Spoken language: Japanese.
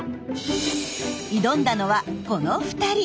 挑んだのはこの２人。